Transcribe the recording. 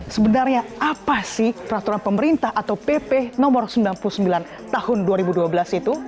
sebenarnya apa sih peraturan pemerintah atau pp no sembilan puluh sembilan tahun dua ribu dua belas itu